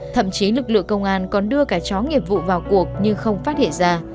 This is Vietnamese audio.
thậm chí lực lượng công an còn đưa cả chó nghiệp vụ vào cuộc nhưng không phát hiện ra